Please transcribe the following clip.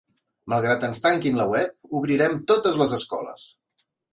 Malgrat ens tanquin la web, obrirem totes les escoles!